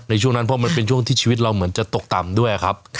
ในช่วงนั้นเพราะมันเป็นช่วงที่ชีวิตเราเหมือนจะตกต่ำด้วยครับ